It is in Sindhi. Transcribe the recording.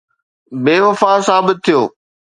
بي وفا ثابت ٿيو